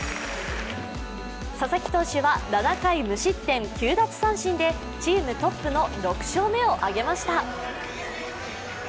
佐々木投手は、７回無失点９奪三振でチームトップの６勝目をあげました